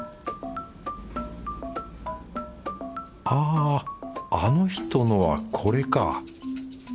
ああの人のはこれか。